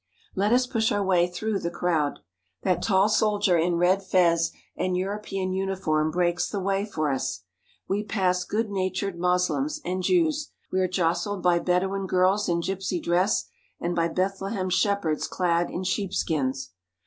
Let us push our way through the crowd. That tall soldier in red fez and European uniform breaks the way for us. We pass good natured Moslems and Jews; we are jostled by Bedouin girls in gypsy dress, and by Bethlehem shepherds clad in sheep skins.